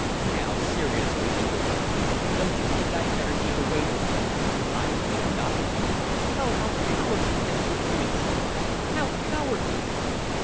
"Now seriously, Elizabeth, don't you think I'd better keep away from him? I can do nothing " "Oh, how cowardly that would be!" she cried. "How cowardly!"